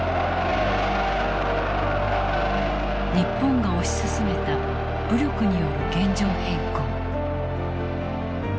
日本が推し進めた武力による現状変更。